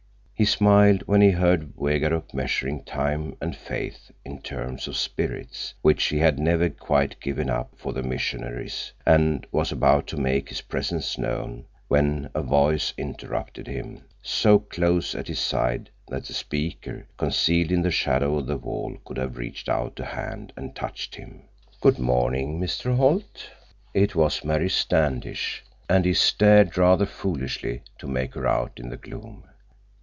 He smiled when he heard Wegaruk measuring time and faith in terms of "spirits," which she had never quite given up for the missionaries, and was about to make his presence known when a voice interrupted him, so close at his side that the speaker, concealed in the shadow of the wall, could have reached out a hand and touched him. "Good morning, Mr. Holt!" It was Mary Standish, and he stared rather foolishly to make her out in the gloom.